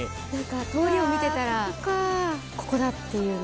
通りを見てたらここだっていうのが。